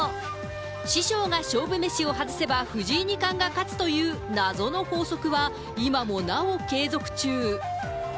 師匠が勝負メシを外せば、藤井二冠が勝つという謎の法則は、今もなお継続中。